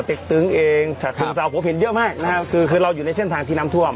ประติกตึงเองถัดถึงเศร้าโผพินเยอะมากนะครับคือเราอยู่ในเส้นทางที่นำทวม